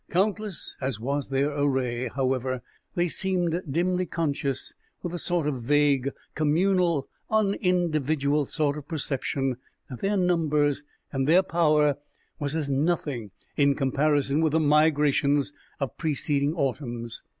Countless as was their array, however, they seemed dimly conscious, with a sort of vague, communal, unindividual sort of perception, that their numbers and their power were as nothing in comparison with the migrations of preceding autumns.